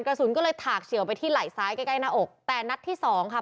กระสุนก็เลยถากเฉียวไปที่ไหล่ซ้ายใกล้ใกล้หน้าอกแต่นัดที่สองค่ะ